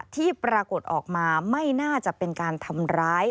ที่ปรากฏออกมาไม่น่าจะเป็นการทำร้าย